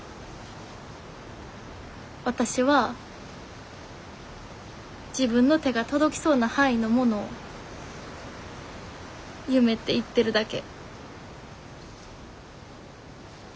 わたしは自分の手が届きそうな範囲のものを「夢」って言ってるだけ。